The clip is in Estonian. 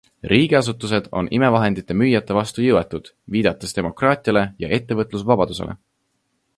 Riigiasutused on imevahendite müüjate vastu jõuetud, viidates demokraatiale ja ettevõtlusvabadusele.